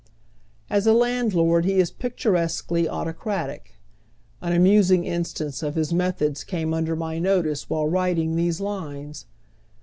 As a landlord he is picturesquely autocratic. An amusing instance of his methods came under my notice wliilo writing these lines.